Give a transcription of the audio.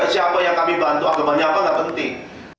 siapa yang kami bantu agama siapa tidak penting